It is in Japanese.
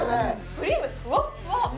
クリームふわっふわ！